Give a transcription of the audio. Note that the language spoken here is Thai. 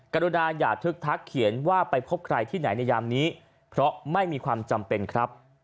กรุณาอย่าทึกทักเขียนว่าไปพบใครที่ไหนในยามนี้เพราะไม่มีความจำเป็นครับ